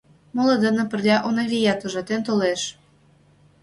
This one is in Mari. Моло дене пырля Унавият ужатен толеш.